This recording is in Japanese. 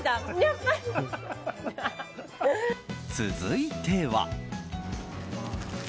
続いては。